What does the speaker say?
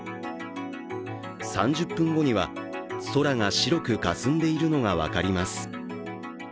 ３０分後には空が白くかすんでいるのが分かります。